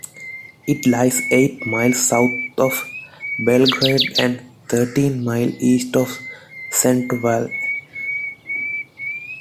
It lies eight miles south of Belgrade and thirteen miles east of Centerville.